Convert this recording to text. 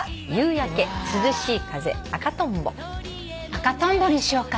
「赤とんぼ」にしようかな。